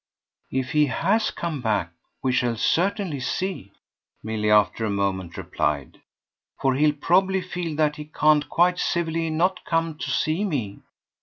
"If he HAS come back we shall certainly see," Milly after a moment replied; "for he'll probably feel that he can't quite civilly not come to see me.